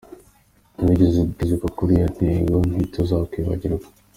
Ntiwigeze utezuka kuri iyo ntego, ntituzakwibagirwa".